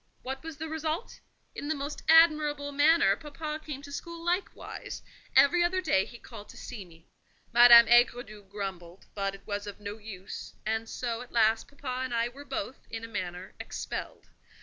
What was the result? In the most admirable manner, papa came to school likewise: every other day he called to see me. Madame Aigredoux grumbled, but it was of no use; and so, at last, papa and I were both, in a manner, expelled.